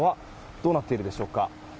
どうなっているでしょうか。